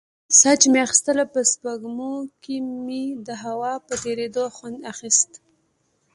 ساه چې مې اخيستله په سپږمو کښې مې د هوا په تېرېدو خوند اخيست.